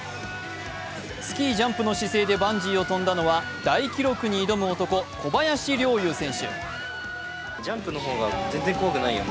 スキージャンプの姿勢でバンジーを飛んだのは大記録に挑む男・小林陵侑選手。